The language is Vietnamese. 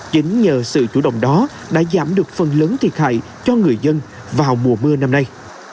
chính nhờ sự chủ động đó đã giảm được phần lớn thiệt hại cho người dân vào mùa mưa năm nay